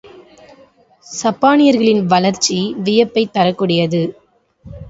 சப்பானியர்களின் வளர்ச்சி வியப்பைத் தரக்கூடியது.